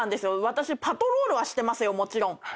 私パトロールはしてますよもちろん。